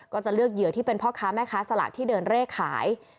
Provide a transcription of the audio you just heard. ก็จะเลือกเหยื่อที่เป็นพ่อค้าแม่ค้าสลากที่เดินเร่ขาย